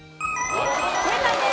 正解です。